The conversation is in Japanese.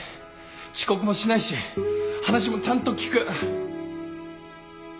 遅刻もしないし話もちゃんと聞く